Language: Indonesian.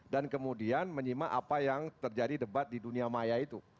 dan kemudian menyimak apa yang terjadi debat di dunia maya itu